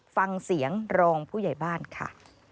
ฟังเสียงรองผู้ใหญ่บ้านค่ะ